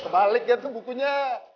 kebalik ya tuh bukunya